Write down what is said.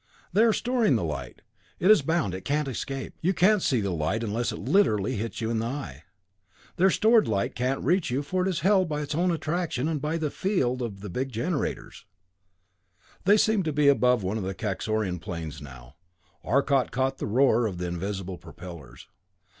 "They are storing the light. It's bound it can't escape. You can't see light unless it literally hits you in the eye. Their stored light can't reach you, for it is held by its own attraction and by the special field of the big generators." They seemed to be above one of the Kaxorian planes now. Arcot caught the roar of the invisible propellers.